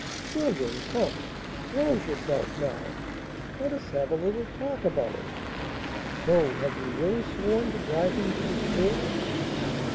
"Well, then, come, rouse yourself; now, let us have a little talk about him: and so you have really sworn to drive him to despair?"